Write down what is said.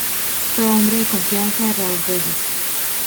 Fue hombre de confianza de Raúl Reyes.